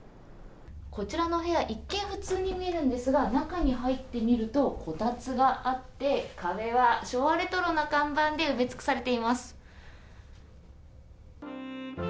こちらのお部屋、一見普通に見えるんですが、中に入ってみると、こたつがあって、壁は昭和レトロな看板で埋め尽くされています。